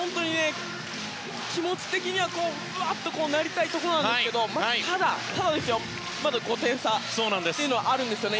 気持ち的にはぶわっとなりたいところですがただ、まだ５点差というのがあるんですよね。